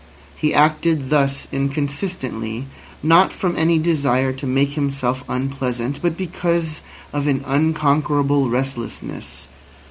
He acted thus inconsistently, not from any desire to make himself unpleasant, but because of an unconquerable restlessness.